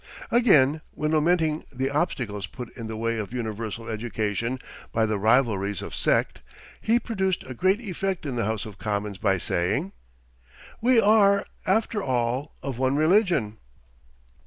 Again, when lamenting the obstacles put in the way of universal education by the rivalries of sect, he produced a great effect in the House of Commons by saying: "We are, after all, of one religion."